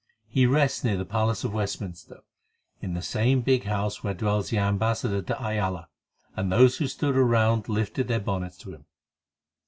He rests near the palace of Westminster, in the same big house where dwells the ambassador de Ayala, and those who stood round lifted their bonnets to him.